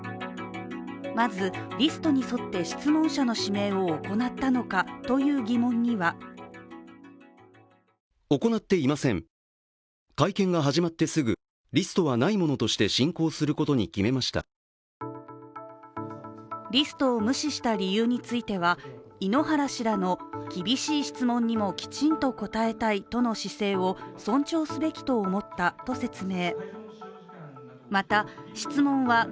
まずリストに沿って質問者の指名を行ったのかという疑問にはリストを無視した理由については、井ノ原氏らの厳しい質問にもきちんと答えたいとの姿勢を尊重すべきと思ったと説明。